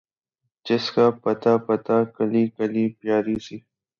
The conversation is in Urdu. جس کا پتا پتا، کلی کلی پیاری سی